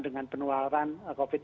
dengan penularan covid nya